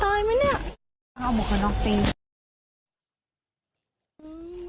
ตายมั้ยเนี่ย